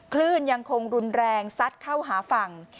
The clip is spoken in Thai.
คลื่นยังคงรุนแรงซัดเข้าหาฝั่ง